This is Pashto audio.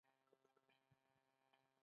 د حشراتو کنټرول د فصل د خوندي کولو وسیله ده.